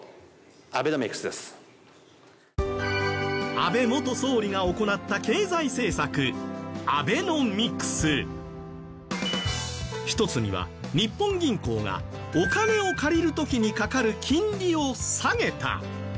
安倍元総理が行った経済政策一つには日本銀行がお金を借りる時にかかる金利を下げた。